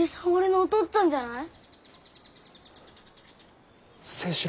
おとっつぁんじゃないの？